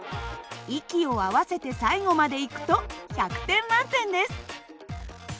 息を合わせて最後までいくと１００点満点です。